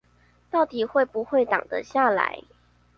到底會不會擋得下來